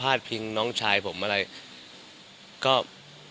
ท้าทายอย่างไรมันอยู่ที่พวกเขา